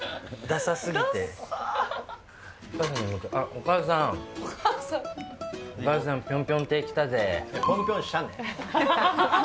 お母さん、お母さん、ぴょんぴょん舎ね。